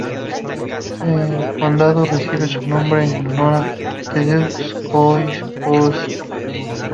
El condado recibe su nombre en honor a Tadeusz Kościuszko.